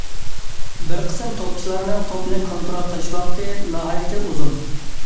بىر قىسىم توپچىلارنىڭ توپنى كونترول قىلىش ۋاقتى ناھايىتى ئۇزۇن.